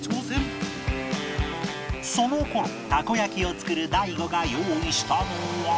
その頃たこ焼きを作る大悟が用意したのは